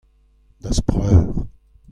da'z preur.